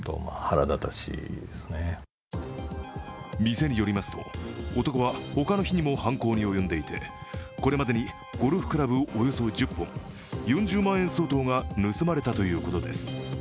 店によりますと、男は他の日にも犯行に及んでいてこれまでにゴルフクラブおよそ１０本４０万円相当が盗まれたということです。